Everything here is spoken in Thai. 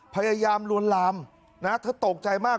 พยายามลวนลามนะเธอตกใจมาก